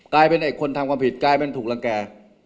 กลายเป็นไอ้คนทำความผิดกลายเป็นถูกรังแก่